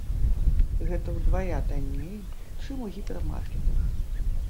Гэта ўдвая танней, чым у гіпермаркетах.